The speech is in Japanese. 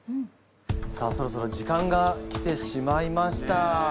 さあそろそろ時間が来てしまいました。